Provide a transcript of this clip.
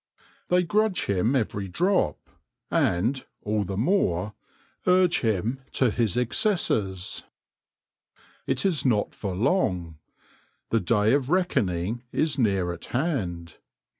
They grudge him every drop, and, all the more, urge him to his excesses. It is not for long. The day of reckoning is near at hand.